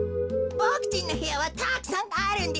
ボクちんのへやはたくさんあるんですよね。